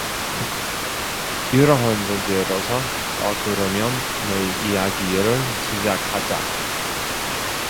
이러한 전제로서, 자 그러면 내 이야기를 시작하자.